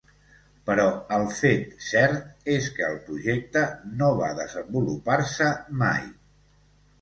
Però el fet cert és que el projecte no va desenvolupar-se mai.